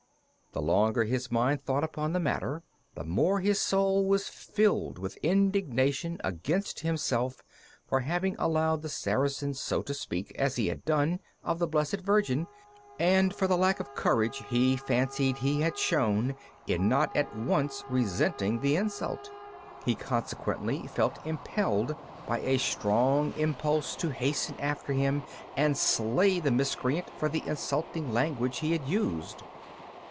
The longer his mind thought upon the matter, the more his soul was filled with indignation against himself for having allowed the Saracen to speak as he had done of the Blessed Virgin, and for the lack of courage he fancied he had shown in not at once resenting the insult. He consequently felt impelled by a strong impulse to hasten after him and slay the miscreant for the insulting language he had used.